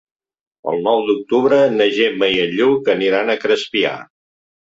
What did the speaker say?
El nou d'octubre na Gemma i en Lluc aniran a Crespià.